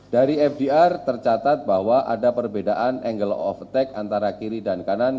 dari fdr tercatat bahwa ada perbedaan angle of attack antara kiri dan kanan